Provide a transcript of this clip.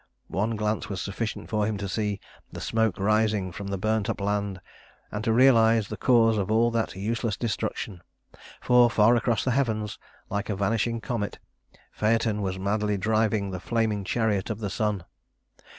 One glance was sufficient for him to see the smoke rising from the burnt up land and to realize the cause of all that useless destruction; for far across the heavens like a vanishing comet Phaëton was madly driving the flaming chariot of the sun.